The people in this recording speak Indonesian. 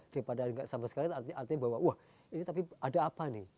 daripada nggak sama sekali artinya bahwa wah ini tapi ada apa nih